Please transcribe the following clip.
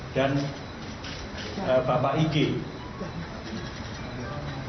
dan bapak ig